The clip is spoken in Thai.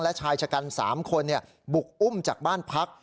และชายชะกัน๓คนบุกอุ้มจากบ้านพัก